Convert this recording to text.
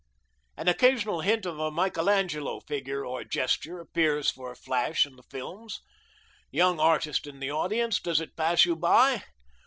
An occasional hint of a Michelangelo figure or gesture appears for a flash in the films. Young artist in the audience, does it pass you by?